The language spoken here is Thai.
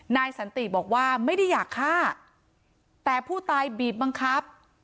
นายสันติบอกว่าไม่ได้อยากฆ่าแต่ผู้ตายบีบบังคับ